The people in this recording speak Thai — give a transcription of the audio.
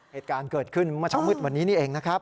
เหตุการณ์เกิดขึ้นเมื่อเช้ามืดวันนี้นี่เองนะครับ